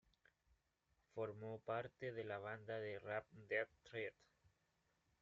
Formó parte de la banda de rap Death Threat.